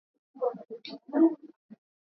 Kila muntu ana pashwa ku jenga nyumba yake